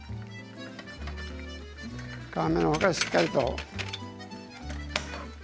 皮目のほうからしっかりと。